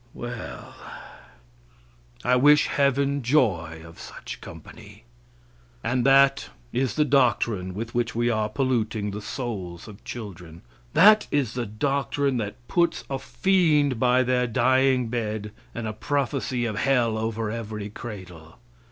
Well, I wish heaven joy of such company. And that is the doctrine with which we are polluting the souls of children. That is the doctrine that puts a fiend by their dying bed and a prophesy of hell over every cradle.